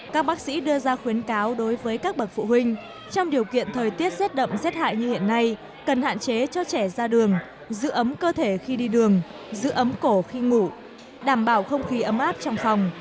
các bác sĩ đưa ra khuyến cáo đối với các bậc phụ huynh trong điều kiện thời tiết rét đậm rét hại như hiện nay cần hạn chế cho trẻ ra đường giữ ấm cơ thể khi đi đường giữ ấm cổ khi ngủ đảm bảo không khí ấm áp trong phòng